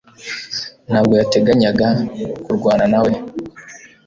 Ntabwo yateganyaga kurwana nawe